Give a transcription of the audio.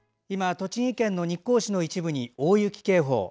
今、栃木県の日光市の一部に大雪警報